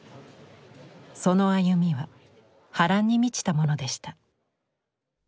その歩みは波乱に満ちたものでした。